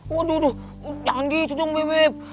waduh jangan gitu dong bebep